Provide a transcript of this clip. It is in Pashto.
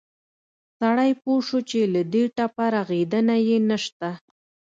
سړى پوى شو چې له دې ټپه رغېدن يې نه شته.